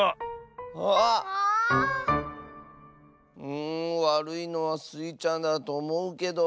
うんわるいのはスイちゃんだとおもうけど。